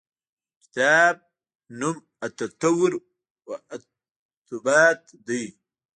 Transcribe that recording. کتاب نوم التطور و الثبات دی.